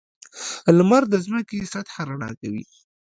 • لمر د ځمکې سطحه رڼا کوي.